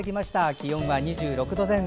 気温は２６度前後。